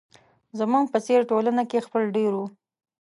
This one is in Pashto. زموږ په څېر ټولنه کې ځپل ډېر وو.